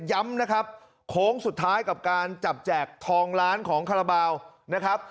ย้ำนะครับโค้งสุดท้ายกับการจับแจกทองล้านของคาราบาลนะครับ